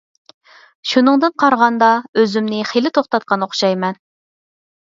شۇنىڭدىن قارىغاندا ئۆزۈمنى خېلى توختاتقان ئوخشايمەن.